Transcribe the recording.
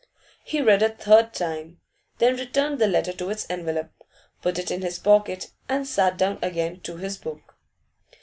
He read a third time, then returned the letter to its envelope, put it in his pocket, and sat down again to his book.